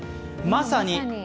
まさに！